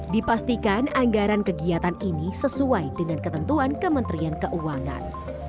dipastikan anggaran kegiatan ini sesuai dengan ketentuan kementerian keuangan